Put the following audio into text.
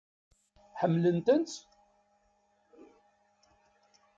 Ḥemmlent-tent?